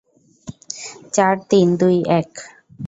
চার, তিন, দুই, এক!